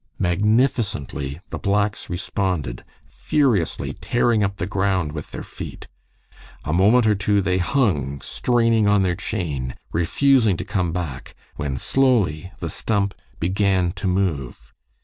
Magnificently the blacks responded, furiously tearing up the ground with their feet. A moment or two they hung straining on their chain, refusing to come back, when slowly the stump began to move.